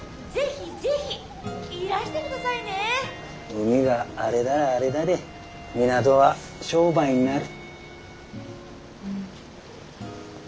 海が荒れだら荒れだで港は商売になる。